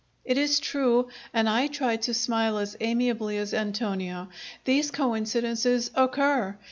"It is true," and I tried to smile as amiably as Antonio. "These coincidences occur.